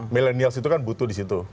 milenials itu kan butuh di situ